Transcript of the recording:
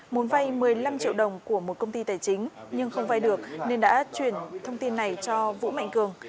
muốn vay một mươi năm triệu đồng của một công ty tài chính nhưng không vay được nên đã chuyển thông tin này cho vũ mạnh cường